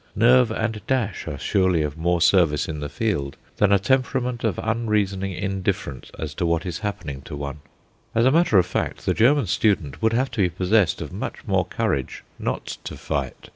Nerve and dash are surely of more service in the field than a temperament of unreasoning indifference as to what is happening to one. As a matter of fact, the German student would have to be possessed of much more courage not to fight.